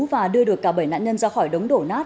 và đưa được cả bảy nạn nhân ra khỏi đống đổ nát